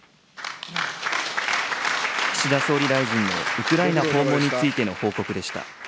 岸田総理大臣のウクライナ訪問についての報告でした。